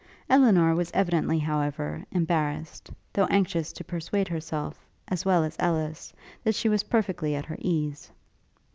Elinor was evidently, however, embarrassed, though anxious to persuade herself, as well as Ellis, that she was perfectly at her ease.